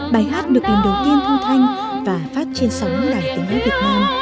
bài hát được liên đồng nghiên thông thanh và phát trên sóng đài tiếng việt nam